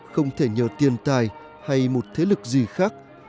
không thể nhờ tiền tài hay một thế lực gì khác